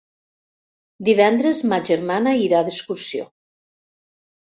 Divendres ma germana irà d'excursió.